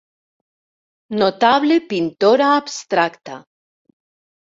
Notable pintora abstracta.